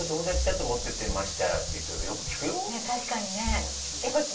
え確かにね。